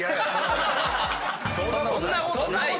そんなことない。